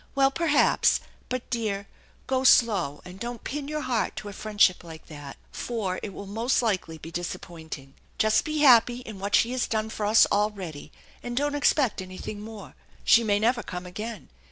"Well, per haps, but, dear, go slow and don't pin your heart to a friend ship like that, for it will most likely be disappointing. Just be happy in what she has done for us already, and don't expect anything more. She may never come again.